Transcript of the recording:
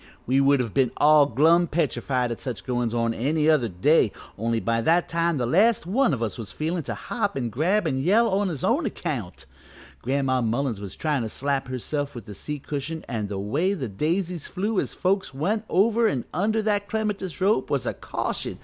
We would 'a' all been glum petrified at such goin's on any other day, only by that time the last one of us was feelin' to hop and grab an' yell on his own account. Gran'ma Mullins was tryin' to slap herself with the seat cushion, an' the way the daisies flew as folks went over an' under that clematis rope was a caution.